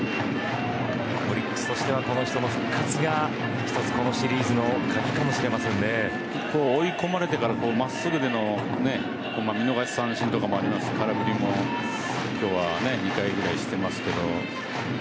オリックスとしてはこの人の復活が一つこのシリーズの追い込まれたから真っすぐでの見逃し三振とかもありますから空振りも今日は２回くらいしてますけど。